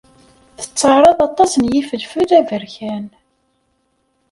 Tettarraḍ aṭas n yifelfel aberkan.